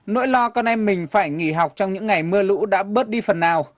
nỗi lo con em mình phải nghỉ học trong những ngày mưa lũ đã bớt đi phần nào